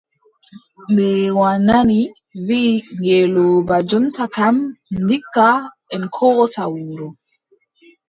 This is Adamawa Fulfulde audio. Mbeewa nani wiʼi ngeelooba jonta kam, ndikka en koota wuro.